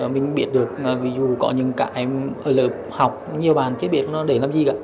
mình biết được ví dụ có những cái lợi học nhiều bản chế biệt nó để làm gì cả